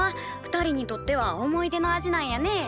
２人にとっては思い出の味なんやね。